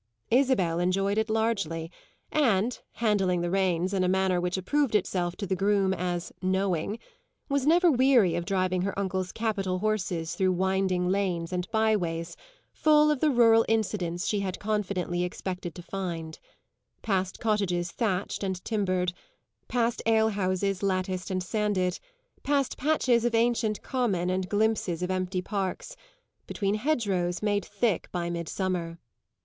Isabel enjoyed it largely and, handling the reins in a manner which approved itself to the groom as "knowing," was never weary of driving her uncle's capital horses through winding lanes and byways full of the rural incidents she had confidently expected to find; past cottages thatched and timbered, past ale houses latticed and sanded, past patches of ancient common and glimpses of empty parks, between hedgerows made thick by midsummer.